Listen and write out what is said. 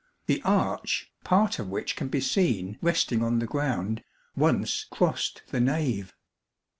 The arch, part of which can be seen resting on the ground, once crossed the nave.